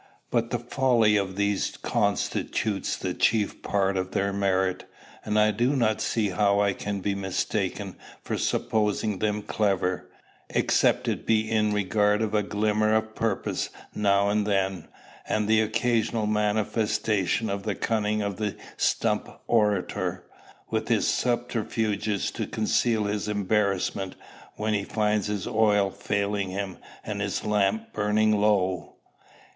But the folly of these constitutes the chief part of their merit; and I do not see how I can be mistaken for supposing them clever, except it be in regard of a glimmer of purpose now and then, and the occasional manifestation of the cunning of the stump orator, with his subterfuges to conceal his embarrassment when he finds his oil failing him, and his lamp burning low.